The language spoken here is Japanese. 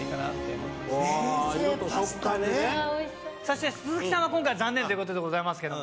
修靴鈴木さんは今回残念ということでございますけど。